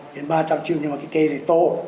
trên ba trăm linh triệu nhưng mà cái cây này to